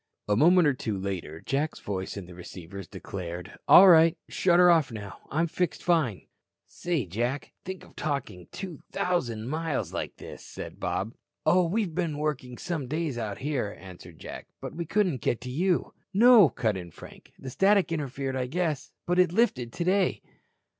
A moment or two later, Jack's voice in the receivers declared: "All right. Shut her off now. I'm fixed fine." "Say, Jack, think of talking 2,000 miles like this," said Bob. "Oh, we've been working some days out here," answered Jack. "But we couldn't get you." "No," cut in Frank. "The static interfered, I guess. But it lifted today."